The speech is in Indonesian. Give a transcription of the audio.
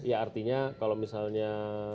ya artinya kalau misalnya